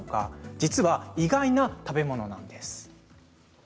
実は意外な食べ物なんです。